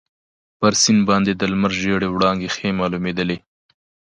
پر سیند باندي د لمر ژېړې وړانګې ښې معلومیدلې.